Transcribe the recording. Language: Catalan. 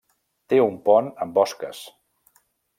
Té un pont amb osques.